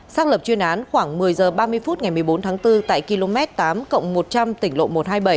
xác lập chuyên án khoảng một mươi h ba mươi phút ngày một mươi bốn tháng bốn tại km tám một trăm linh tỉnh lộ một trăm hai mươi bảy